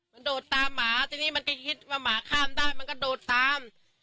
มันโดดตามหมาทีนี้มันก็คิดว่าหมาข้ามได้มันก็โดดตาม